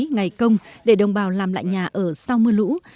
ngày công để đồng bào làm lại nhà ở sau mưa lũ